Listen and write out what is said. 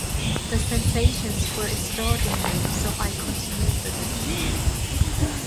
The sensations were extraordinary so I continued with it.